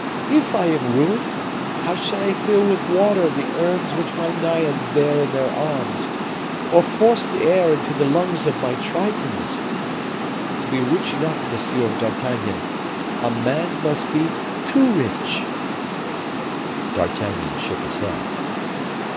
If I am ruined, how shall I fill with water the urns which my Naiads bear in their arms, or force the air into the lungs of my Tritons? To be rich enough, Monsieur d'Artagnan, a man must be too rich." D'Artagnan shook his head.